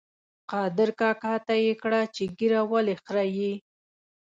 قادر کاکا ته یې کړه چې ږیره ولې خرېیې؟